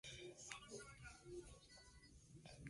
El toque de queda fue levantado para las elecciones.